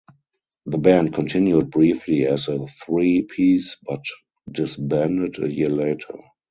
The band continued briefly as a three piece but disbanded a year later.